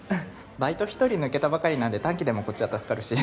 バイト１人抜けたばかりなんで短期でもこっちは助かるし